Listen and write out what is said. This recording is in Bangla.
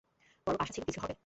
বড় আশা ছিল কিছু হবে।